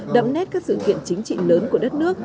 đậm nét các sự kiện chính trị lớn của đất nước